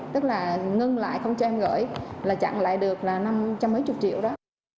tức là ngưng lại không cho em gửi là chặn lại được là năm trăm một mươi triệu đó